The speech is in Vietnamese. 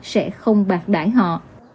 sẽ không bạc đải họ